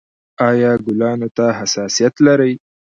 ایا ګلانو ته حساسیت لرئ؟